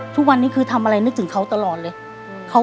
ทุกวันนี้คือทำอะไรนึกถึงเขาตลอดเลย